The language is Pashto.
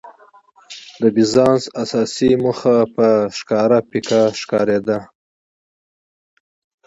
د بارنس اساسي موخه په ښکاره پيکه ښکارېده.